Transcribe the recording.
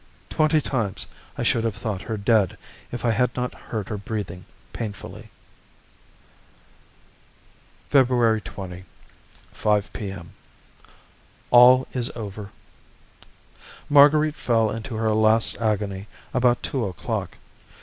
Twenty times I should have thought her dead if I had not heard her breathing painfully. February 20, 5 P.M. All is over. Marguerite fell into her last agony at about two o'clock.